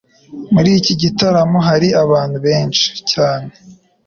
Muri iki gitaramo hari abantu benshi cyane.